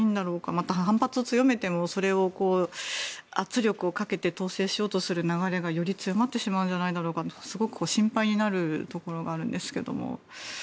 また反発を強めても圧力をかけて統制しようという流れがより強まってしまうんじゃないだろうかとすごく心配になるところがあるんですけども。